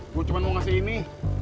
gue cuma mau ngasih ini